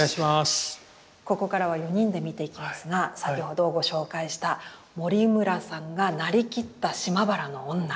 ここからは４人で見ていきますが先ほどご紹介した森村さんがなりきった「島原の女」